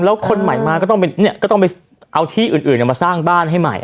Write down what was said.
แล้วคนใหม่มาก็ต้องเป็นเนี้ยก็ต้องไปเอาที่อื่นอื่นออกมาสร้างบ้านให้ใหม่